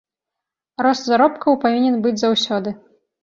Рост заробкаў павінен быць заўсёды.